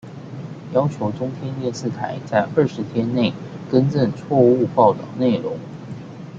要求中天電視台在二十天內更正錯誤報導內容